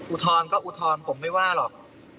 อุทธรณ์ก็อุทธรณ์ผมไม่ว่าหรอก